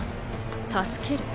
助ける？